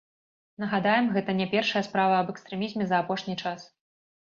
Нагадаем, гэта не першая справа аб экстрэмізме за апошні час.